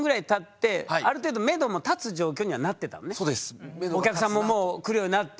１，０００万のお客さんももう来るようになって。